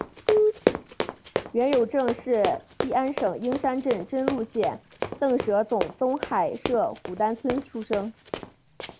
阮有政是乂安省英山府真禄县邓舍总东海社古丹村出生。